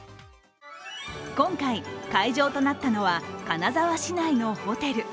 今回、会場となったのは金沢市内のホテル。